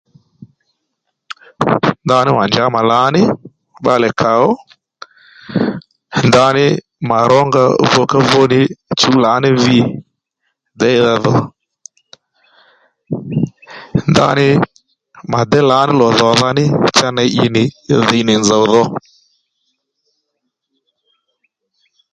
Ndaní mà njǎ mà lǎní bbalè kàó ndaní mà rónga vukávu chǔw lǎní vi déydha dho ndaní mà déy lǎní lò dhòdha ní cha ney ì nì dhǐ nì nzòw dho